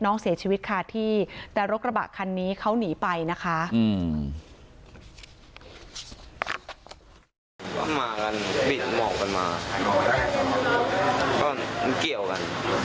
น้องเสียชีวิตคาที่แต่รถกระบะคันนี้เขาหนีไปนะคะ